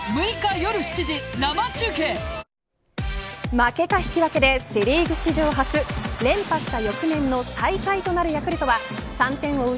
負けか引き分けでセ・リーグ史上初連覇した翌年の最下位となるヤクルトは３点を追う